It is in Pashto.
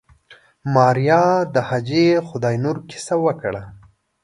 ماريا د حاجي خداينور کيسه وکړه.